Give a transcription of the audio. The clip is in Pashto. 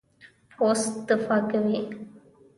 پوست دفاع کوي.